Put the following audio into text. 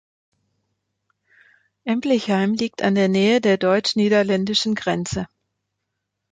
Emlichheim liegt in der Nähe der deutsch-niederländischen Grenze.